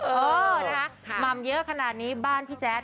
โอ้โหมัมเยอะขนาดนี้บ้านพี่แจ๊ด